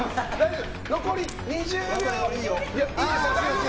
残り２０秒。